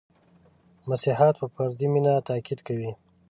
• مسیحیت په فردي مینه تأکید کوي.